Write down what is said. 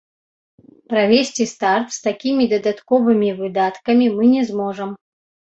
Правесці старт з такімі дадатковымі выдаткамі мы не зможам.